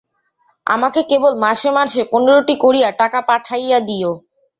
আমাকে কেবল মাসে মাসে পনেরোটি করিয়া টাকা পাঠাইয়া দিয়ো।